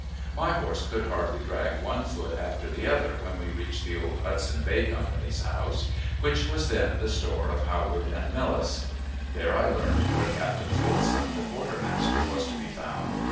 My horse could hardly drag one foot after the other when we reached the old Hudson Bay Company's house, which was then the store of Howard and Mellus. There I learned where Captain Folsom, the quartermaster, was to be found.